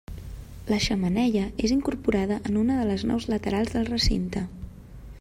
La xemeneia és incorporada en una de les naus laterals del recinte.